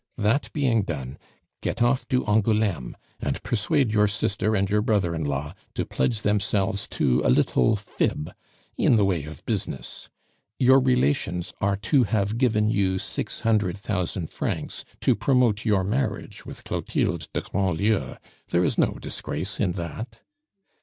That being done, get off to Angouleme, and persuade your sister and your brother in law to pledge themselves to a little fib in the way of business. Your relations are to have given you six hundred thousand francs to promote your marriage with Clotilde de Grandlieu; there is no disgrace in that."